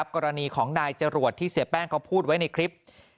กรณีของนายจรวดที่เสียแป้งเขาพูดไว้ในคลิป